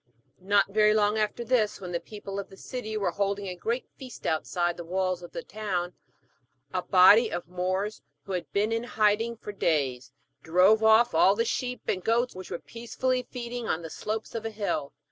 Not very long after this, when the people of the city were holding a great feast outside the walls of the town, a body of Moors, who had been in hiding for days, drove off all the sheep and goats which were peacefully feeding on the slopes of a hill.